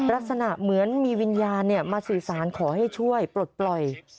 ลักษณะเหมือนมีวิญญาณมาสื่อสารขอให้ช่วยปลดปล่อย